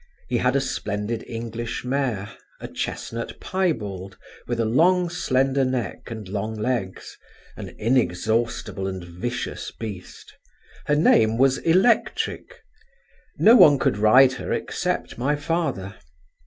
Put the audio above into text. He had a splendid English mare, a chestnut piebald, with a long slender neck and long legs, an inexhaustible and vicious beast. Her name was Electric. No one could ride her except my father.